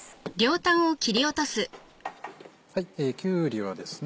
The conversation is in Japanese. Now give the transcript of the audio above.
きゅうりはですね